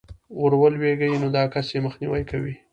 ورلوېږي، نو دا كس ئې مخنيوى كوي